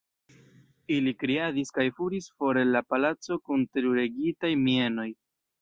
Ili kriadis kaj kuris for el la palaco kun teruregitaj mienoj!